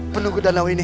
penugut danau ini